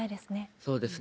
そうですね。